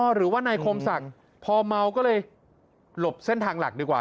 หรือว่านายคมศักดิ์พอเมาก็เลยหลบเส้นทางหลักดีกว่า